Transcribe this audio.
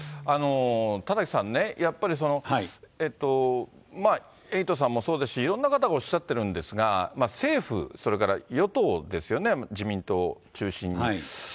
田崎さんね、やっぱりエイトさんもそうですし、いろんな方がおっしゃってるんですが、政府、それから与党ですよね、自民党中心に。